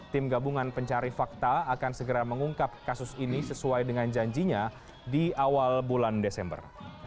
tim gabungan pencari fakta akan segera mengungkap kasus ini sesuai dengan janjinya di awal bulan desember